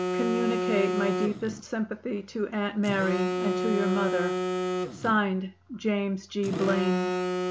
Communicate my deepest sympathy to Aunt Mary and to your mother. JAMES G. BLAINE.